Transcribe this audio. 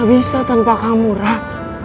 apa gak bisa tanpa kamu rah